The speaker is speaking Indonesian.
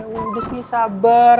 ya udah sih sabar